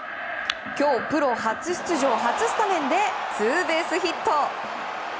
今日、プロ初出場初スタメンでツーベースヒット。